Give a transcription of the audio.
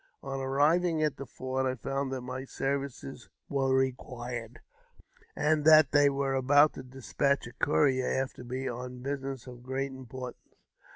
On arriving at the fort, I found that my services required, and that they were about to despatch a courier after me on business of great importance.